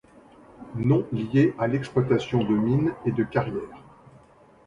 Nom lié à l’exploitation de mines et de carrières.